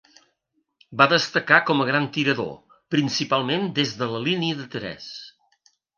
Va destacar com a gran tirador, principalment des de la línia de tres.